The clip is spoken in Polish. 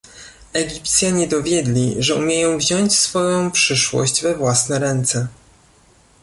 Egipcjanie dowiedli, że umieją wziąć swoja przyszłość we własne ręce